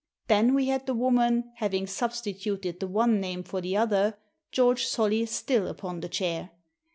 Then we had the woman, having substituted the one name for the other, George Solly still upon the chair.